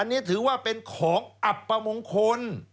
อันนี้ถือว่าเป็นของอับประมงคล